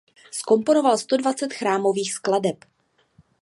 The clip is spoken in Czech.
Zkomponoval sto dvacet chrámových skladeb.